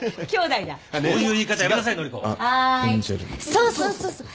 そうそうそうそう。